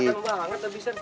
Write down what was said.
udah keliatan banget tapi